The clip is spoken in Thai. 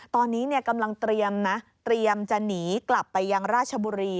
ตอนนี้กำลังเตรียมนะเตรียมจะหนีกลับไปยังราชบุรี